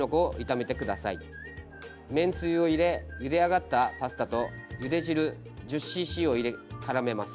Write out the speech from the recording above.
めんつゆを入れゆで上がったパスタとゆで汁１０ｃｃを入れからめます。